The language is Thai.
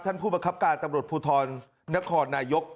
ท่านผู้ประคับการตำรวจพทรนครนายก